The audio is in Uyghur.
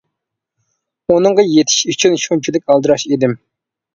ئۇنىڭغا يېتىش ئۈچۈن شۇنچىلىك ئالدىراش ئىدىم.